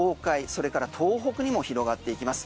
それから東北にも広がっていきます。